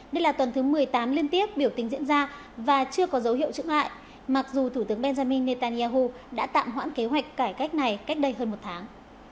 đây là tuần thứ một mươi tám liên tiếp biểu tình diễn ra và chưa có dấu hiệu trứng lại mặc dù thủ tướng benjamin netanyahu đã tạm hoãn kế hoạch cải cách này cách đây hơn một tháng